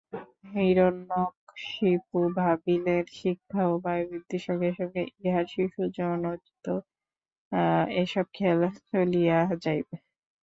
হিরণ্যকশিপু ভাবিলেন, শিক্ষা ও বয়োবৃদ্ধির সঙ্গে সঙ্গে ইঁহার শিশুজনোচিত এসব খেয়াল চলিযা যাইবে।